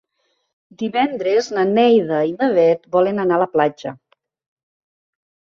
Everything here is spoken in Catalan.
Divendres na Neida i na Bet volen anar a la platja.